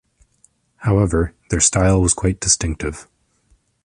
However, their style was quite distinctive.